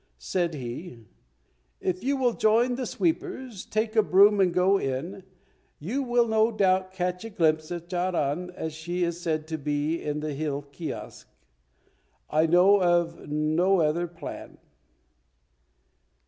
Said he, "If you will join the sweepers, take a broom and go in; you will no doubt catch a glimpse of Charan as she is said to be in the Hill Kiosk. I know of no other plan."